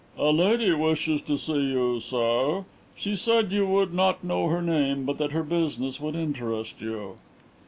"A lady wishes to see you, sir. She said you would not know her name, but that her business would interest you."